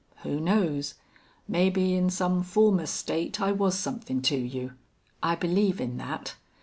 Who knows? Maybe in some former state I was somethin' to you. I believe in that.